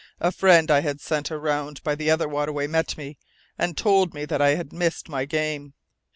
A friend I had sent around by the other waterway met me, and told me that I had missed my game.